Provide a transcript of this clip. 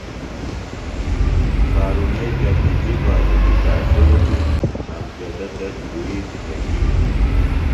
خارُݨئی تپِجیۡ بہ اُٹِکاݜیتیۡ۔ امجدہ تس اُڑیتیۡ تہ گی۔